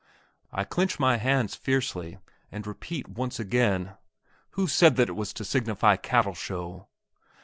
I clench my hands fiercely, and repeat once again, "Who said that it was to signify cattle show?"